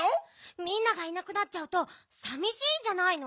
みんながいなくなっちゃうとさみしいんじゃないの？